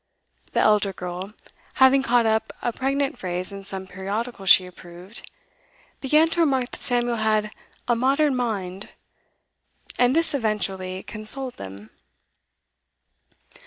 The elder girl, having caught up a pregnant phrase in some periodical she approved, began to remark that Samuel had 'a modern mind;' and this eventually consoled them.